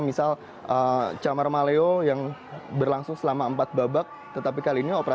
misal camar maleo yang berlangsung selama empat babak